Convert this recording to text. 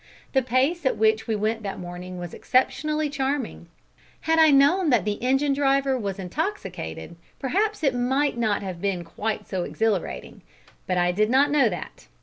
The pace at which we went that morning was exceptionally charming. Had I known that the engine driver was intoxicated perhaps it might not have been quite so exhilarating, but I did not know that.